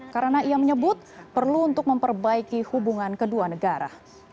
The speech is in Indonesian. karena ia menyebut perlu untuk memperbaiki hubungan kedua negara